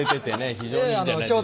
非常にいいんじゃないでしょうか。